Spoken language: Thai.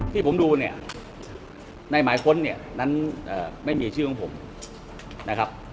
ที่ผมดูเนี่ยในหมายค้นเนี่ยนั้นไม่มีชื่อของผมนะครับ